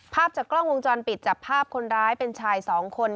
ภาพจากกล้องวงจรปิดจับภาพคนร้ายเป็นชายสองคน